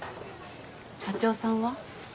社長さんは？